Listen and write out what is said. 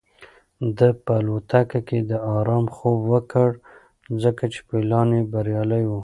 ده په الوتکه کې د ارام خوب وکړ ځکه چې پلان یې بریالی و.